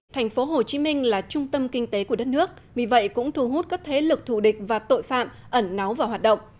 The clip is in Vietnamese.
thành phố hồ chí minh là trung tâm kinh tế của đất nước vì vậy cũng thu hút các thế lực thù địch và tội phạm ẩn náu vào hoạt động